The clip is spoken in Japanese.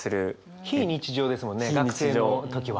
非日常ですもんね学生の時は。